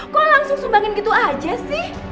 kok langsung sumbangin gitu aja sih